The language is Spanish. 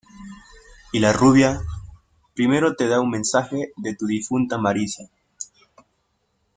¿ y la rubia? primero te da un mensaje de tu difunta Marisa